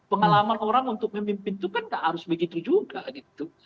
pengalaman orang untuk memimpin itu kan gak harus begitu juga gitu